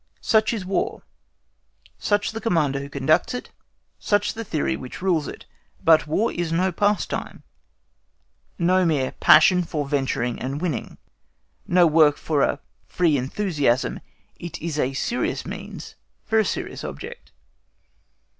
Such is War; such the Commander who conducts it; such the theory which rules it. But War is no pastime; no mere passion for venturing and winning; no work of a free enthusiasm: it is a serious means for a serious object.